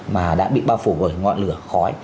mà đã bị bao phủ bởi ngọn lửa khói